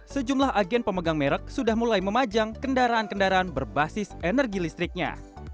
sejumlah agen pemegang merek sudah mulai memajang kendaraan kendaraan berbasis energi listriknya